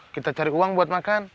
kita cari uang buat makan